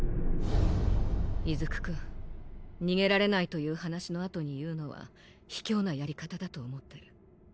出久くん逃げられないという話の後に言うのは卑怯なやり方だと思ってる。